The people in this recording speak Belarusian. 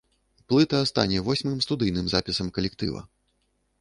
Плыта стане восьмым студыйным запісам калектыва.